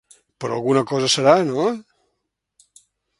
Per alguna cosa serà, no?